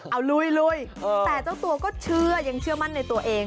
เอาลุยแต่เจ้าตัวก็เชื่อยังเชื่อมั่นในตัวเอง